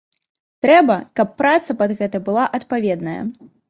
Трэба, каб праца пад гэта была адпаведная.